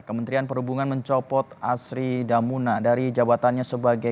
kementerian perhubungan mencopot asri damuna dari jabatannya sebagai